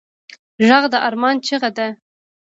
غږ د ارمان چیغه ده